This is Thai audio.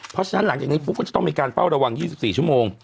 เพราะฉะนั้นหลังจากนี้ปุ๊บก็จะต้องมีการเฝ้าระวัง๒๔ชั่วโมง